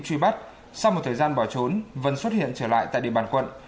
truy bắt sau một thời gian bỏ trốn vân xuất hiện trở lại tại địa bàn quận